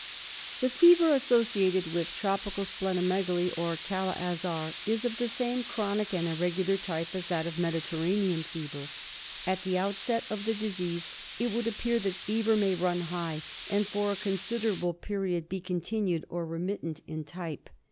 The fever associated with Tropical Spleno megaly, or Kala Azar, is of the same chronic and irregular type as that of Mediterranean fever. At the outset of the disease it would appear that fever may run high, and for a con siderable period be continued or remittent in type.